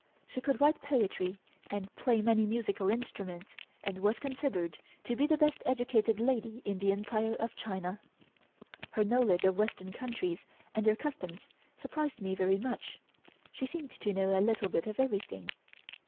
She could write poetry and play many musical instruments, and was considered to be the best educated lady in the Empire of China. Her knowledge of western countries and their customs surprised me very much; she seemed to know a little bit of everything.